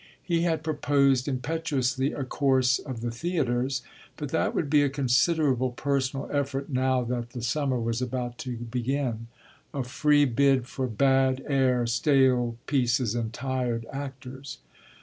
He had proposed impetuously a course of the theatres; but that would be a considerable personal effort now that the summer was about to begin a free bid for bad air, stale pieces, and tired actors.